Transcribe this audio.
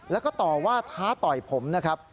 แล้วก็ต่อว่าท้าต่อยผมนะครับ